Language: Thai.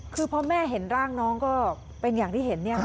คือพอแม่เห็นร่างน้องก็เป็นอย่างที่เห็น